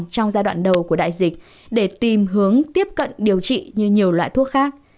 trong giai đoạn đầu của đại dịch để tìm hướng tiếp cận điều trị như nhiều loại thuốc khác